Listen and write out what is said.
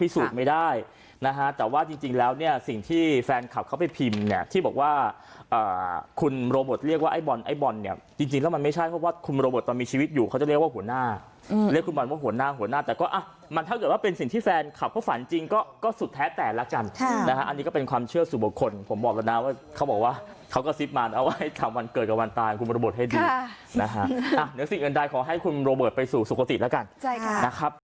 สิ่งที่แฟนคับเขาไปพิมพ์เนี่ยที่บอกว่าคุณโรเบิร์ตเรียกว่าไอ้บอลไอ้บอลเนี่ยจริงแล้วมันไม่ใช่เพราะว่าคุณโรเบิร์ตตอนมีชีวิตอยู่เขาจะเรียกว่าหัวหน้าเรียกคุณบอลว่าหัวหน้าหัวหน้าแต่ก็อ่ะมันถ้าเกิดว่าเป็นสิ่งที่แฟนคับเขาฝันจริงก็สุดแท้แต่ละกันอันนี้ก็เป็